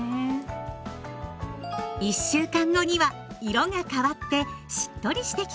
１週間後には色が変わってしっとりしてきます。